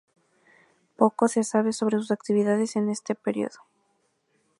Poco se sabe sobre sus actividades en este periodo.